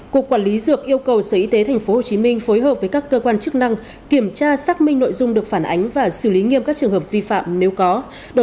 cục quản lý dược yêu cầu sở y tế tp hcm phối hợp với các cơ quan chức năng kiểm tra xác minh nội dung được phản ánh và xử lý nghiêm các trường hợp vi phạm nếu có